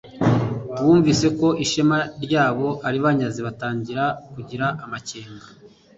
Bumvise ko ishema rya bo aribanyaze batangira kugira amakenga.